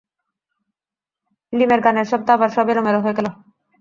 লীমের গানের শব্দে আবার সব এলোমেলো হয়ে গেল।